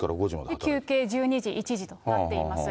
休憩１２時、１時となっています。